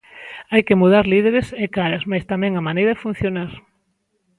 Hai que mudar líderes e caras mais tamén a maneira de funcionar.